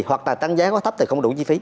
hoặc là tăng giá quá thấp thì không đủ chi phí